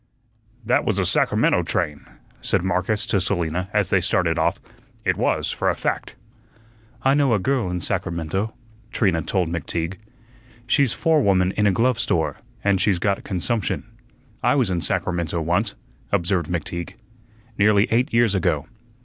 "That was a Sacramento train," said Marcus to Selina as they started off; "it was, for a fact." "I know a girl in Sacramento," Trina told McTeague. "She's forewoman in a glove store, and she's got consumption." "I was in Sacramento once," observed McTeague, "nearly eight years ago."